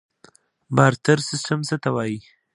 بارتر سیستم څه ته وایي؟